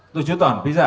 tujuh ton bisa